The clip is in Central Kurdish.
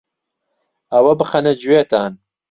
ئەوە بخەنە گوێتان